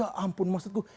ya ampun maksudku